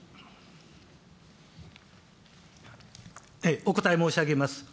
お答え申し上げます。